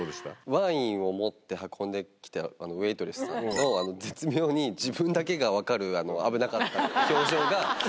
ワインを持って運んできたウエートレスさんの絶妙に自分だけが分かるあの危なかった表情が。